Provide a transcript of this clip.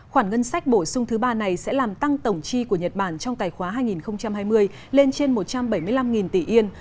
khoản ngân sách bổ sung thứ ba này sẽ làm tăng tổng chi của nhật bản trong tài khoá hai nghìn hai mươi lên trên một trăm bảy mươi năm tỷ yên